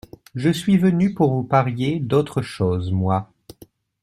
Je suis venu pour vous parier d’autre chose, moi.